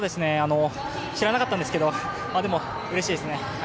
知らなかったんですけどでも、うれしいですね。